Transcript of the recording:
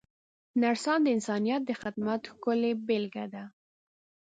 نرسان د انسانیت د خدمت ښکلې بېلګه ده.